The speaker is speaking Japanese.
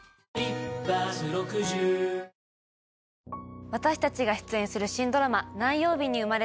あ私たちが出演する新ドラマ何曜日に生まれ